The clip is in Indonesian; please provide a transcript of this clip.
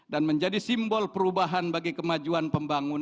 dan menjadi simbol perubahan bagi kemajuan pembangunan